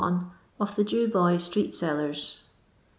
OF THE Jew Bot Street Sellsbs.